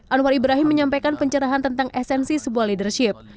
anwar ibrahim menyampaikan pencerahan tentang esensi sebuah leadership